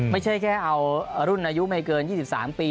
ไม่ใช่แค่เอารุ่นอายุไม่เกิน๒๓ปี